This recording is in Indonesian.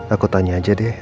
aku tanya aja deh